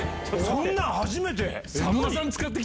そんなん初めて！